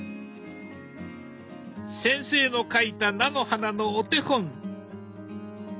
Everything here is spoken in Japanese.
先生の描いた菜の花のお手本。